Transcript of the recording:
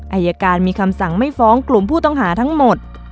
อายการมีคำสั่งไม่ฟ้องกลุ่มผู้ต้องหาทั้งหมด